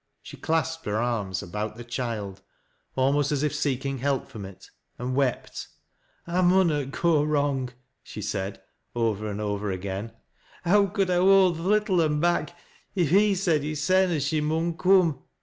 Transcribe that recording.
She clasped her ai ms about the child almost as if seek ing help from it, and wept. " 1 munnot go wrong," she said over and over again, " IIow could I hold th' little un back, if he said hissen ae she iiiun coom ?